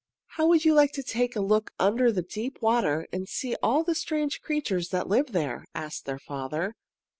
"How would you like to take a look under the deep water and see all the strange creatures that live there?" asked their father.